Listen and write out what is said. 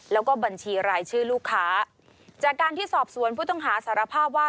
แล้วก็บัญชีรายชื่อลูกค้าจากการที่สอบสวนผู้ต้องหาสารภาพว่า